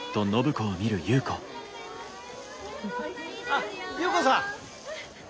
あっ優子さん！